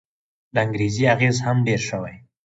د انګرېزي اغېز هم ډېر شوی.